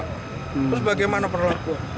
terus bagaimana perlakuannya